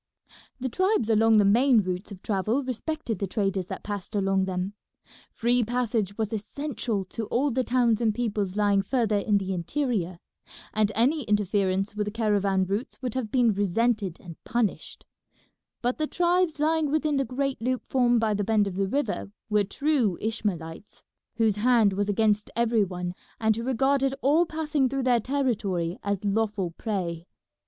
The tribes along the main routes of travel respected the traders that passed along them; free passage was essential to all the towns and peoples lying further in the interior, and any interference with the caravan routes would have been resented and punished; but the tribes lying within the great loop formed by the bend of the river were true Ishmaelites, whose hand was against every one, and who regarded all passing through their territory as lawful prey.